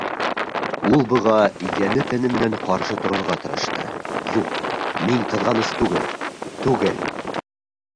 Ул быға йәне-тәне менән ҡаршы торорға тырышты: «Юҡ, мин ҡыҙғаныс түгел, түгел!..»